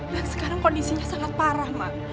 dan sekarang kondisinya sangat parah mbak